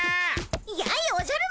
やいっおじゃる丸